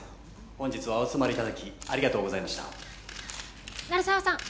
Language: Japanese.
本日はお集まりいただきありがとうございました鳴沢さん